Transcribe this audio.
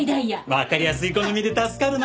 わかりやすい好みで助かるな！